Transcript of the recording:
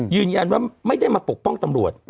ยืนยันว่าไม่ได้มาปกป้องตำรวจ